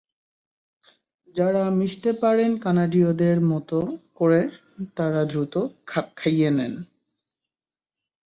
যারা মিশতে পারেন কানাডীয়দের মতো করে তারা দ্রুত খাপ খাইয়ে নেন।